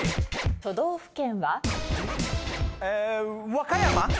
都道府県は？